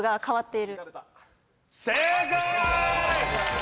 正解！